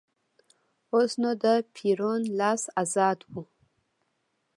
اوس نو د پېرون لاس ازاد و.